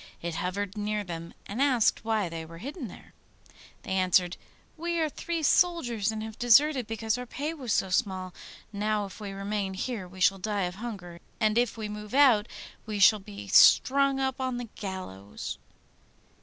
It hovered near them, and asked why they were hidden there. They answered, 'We are three soldiers, and have deserted because our pay was so small. Now if we remain here we shall die of hunger, and if we move out we shall be strung up on the gallows.